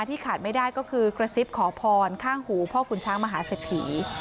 ขาดไม่ได้ก็คือกระซิบขอพรข้างหูพ่อคุณช้างมหาเศรษฐี